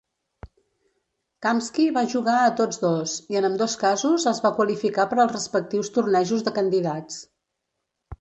Kamsky va jugar a tots dos, i en ambdós casos es va qualificar per als respectius tornejos de candidats.